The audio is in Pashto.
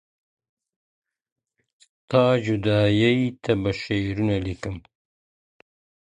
ستا جدايۍ ته به شعرونه ليکم_